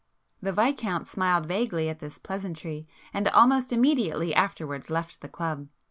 The Viscount smiled vaguely at this pleasantry, and almost immediately afterwards left the club.